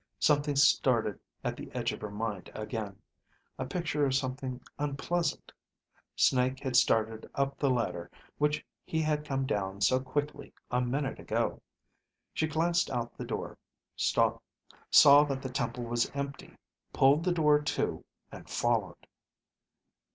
Something started at the edge of her mind again, a picture of something unpleasant. Snake had started up the ladder, which he had come down so quickly a minute ago. She glanced out the door, saw that the temple was empty, pulled the door to, and followed.